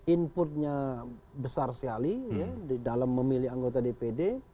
inputnya besar sekali di dalam memilih anggota dpd